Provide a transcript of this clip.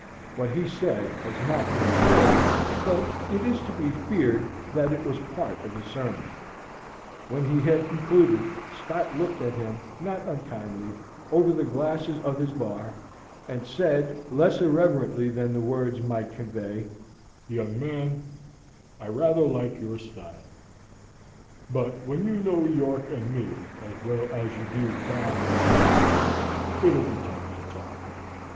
What he said has not been recorded, but it is to be feared that it was part of his sermon. When he had concluded, Scott looked at him, not unkindly, over the glasses of his bar, and said, less irreverently than the words might convey, "Young man, I rather like your style; but when you know York and me as well as you do God Almighty, it'll be time to talk."